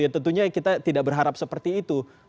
tentunya kita tidak berharap seperti itu